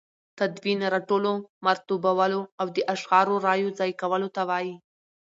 تدوین راټولو، مرتبولو او د اشعارو رايو ځاى کولو ته وايي.